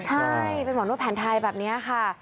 ใช่เป็นหมอนวดแผนไทยแบบนี้ค่ะ